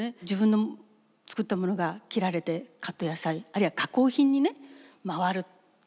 自分の作ったものが切られてカット野菜あるいは加工品にね回る。